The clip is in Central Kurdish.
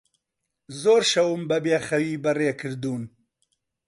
زۆر شەوم بەبێخەوی بەڕێ کردوون.